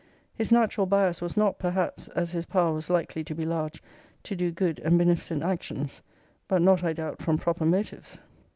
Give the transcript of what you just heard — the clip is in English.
His natural bias was not, perhaps (as his power was likely to be large) to do good and beneficent actions; but not, I doubt, from proper motives.